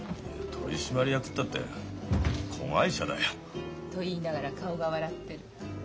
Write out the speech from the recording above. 取締役ったって子会社だよ。と言いながら顔が笑ってる。